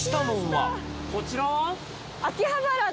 こちらは？